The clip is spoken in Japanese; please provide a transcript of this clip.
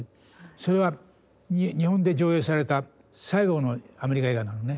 それは日本で上映された最後のアメリカ映画なのね。